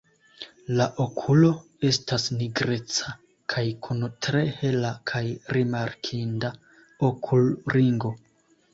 La okulo estas nigreca kaj kun tre hela kaj rimarkinda okulringo.